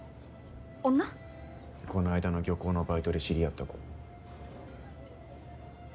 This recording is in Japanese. この間の漁港のバイトで知り合った子。